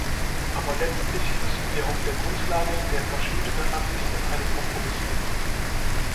Aber letztlich müssen wir auf der Grundlage der verschiedenen Ansichten einen Kompromiss finden.